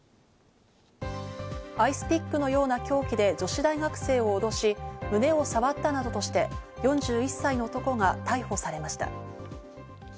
アイスピックのような凶器で女子大学生を脅し、胸を触ったなどとして、４１歳の男が逮捕されました。